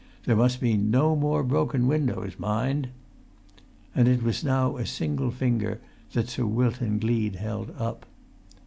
There must be no more broken windows, mind!" And it was now a single finger that Sir Wilton Gleed held up.